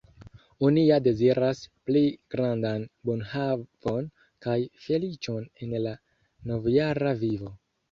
Oni ja deziras pli grandan bonhavon kaj feliĉon en la novjara vivo.